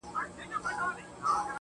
o مجرم د غلا خبري پټي ساتي.